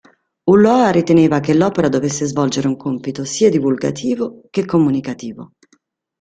Ulloa riteneva che l’opera dovesse svolgere un compito sia divulgativo che comunicativo.